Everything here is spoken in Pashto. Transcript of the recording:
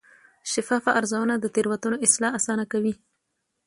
شفافه ارزونه د تېروتنو اصلاح اسانه کوي.